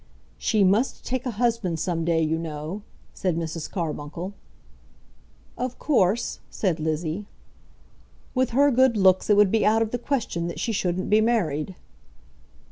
"She must take a husband, some day, you know," said Mrs. Carbuncle. "Of course," said Lizzie. "With her good looks, it would be out of the question that she shouldn't be married."